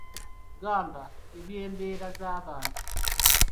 Gamba, eby’embeera z’abantu